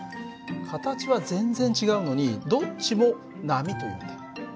形は全然違うのにどっちも波というんだよ。